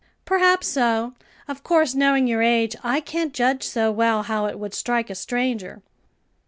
"Perhaps so; of course, knowing your age, I can't judge so well how it would strike a stranger."